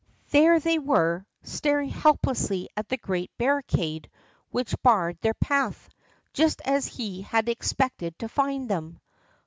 There they were, staring helplessly at the great barricade which barred their path, just as he had expected to find them.